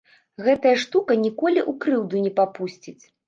Гэтая штука ніколі ў крыўду не папусціць.